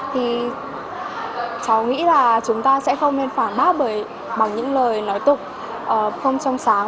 thì cháu nghĩ là chúng ta sẽ không nên phản bác bởi bằng những lời nói tục không trong sáng